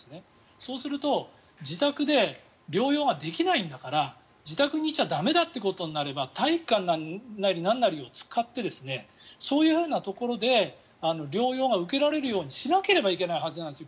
そうすると自宅で療養ができないんだから自宅にいちゃ駄目だということになれば体育館なんなりを使ってそういうところで療養が受けられるようにしなければいけないはずなんですよ